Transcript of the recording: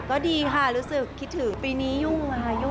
ก็ดีค่ะรู้สึกคิดถึง